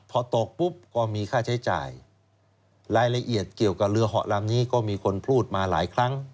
พอตกปุ๊บก็มีค่าใช้จ่ายรายละเอียดเกี่ยวกับเรือเหาะลำนี้ก็มีคนพูดมาหลายครั้ง